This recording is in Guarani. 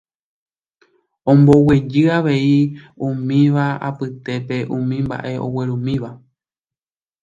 omboguejy avei umíva apytépe umi mba'e oguerumíva.